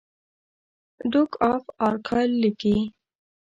ډوک آف ارګایل لیکي.